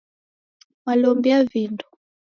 mwalombia vindo?